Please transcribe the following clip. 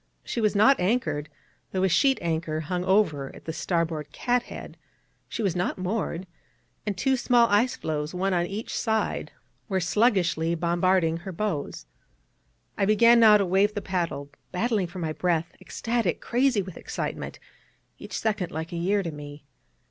She was not anchored, though a sheet anchor hung over at the starboard cathead; she was not moored; and two small ice floes, one on each side, were sluggishly bombarding her bows. I began now to wave the paddle, battling for my breath, ecstatic, crazy with excitement, each second like a year to me.